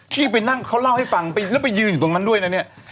ที่ไปนั่งเขาเล่าให้ฟังแล้วไปยืนอยู่ตรงนั้นด้วยนะเนี่ย